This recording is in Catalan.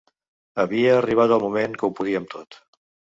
Havia arribat el moment que ho podíem tot.